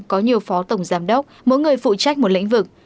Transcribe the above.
có nhiều phó tổng giám đốc mỗi người phụ trách một lĩnh vực